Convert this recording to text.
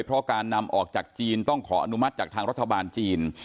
เพราะการนำออกจากจีนต้องขออนุมัติจากทางรัฐบาลจีน